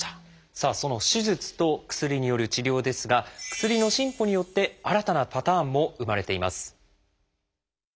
さあその手術と薬による治療ですが薬の進歩によって新たなパターンも生まれています。